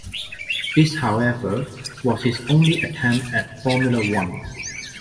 This however, was his only attempt at Formula One.